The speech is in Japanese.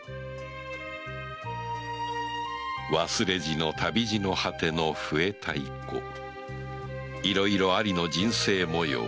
忘れじの旅路の果ての笛・太鼓いろいろありの人生模様